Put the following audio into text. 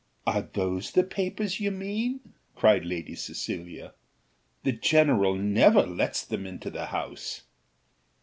"Are those the papers you mean?" cried Lady Cecilia; "the general never lets them into the house."